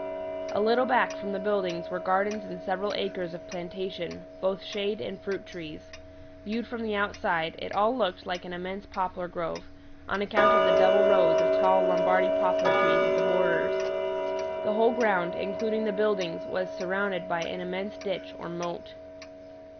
A little back from the buildings were gardens and several acres of plantation both shade and fruit trees. Viewed from the outside, it all looked like an immense poplar grove, on account of the double rows of tall Lombardy poplar trees at the borders. The whole ground, including the buildings, was surrounded by an immense ditch or moat.